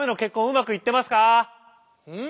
うん？